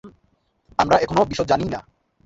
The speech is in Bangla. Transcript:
আমরা এখনও বিশদ জানই না।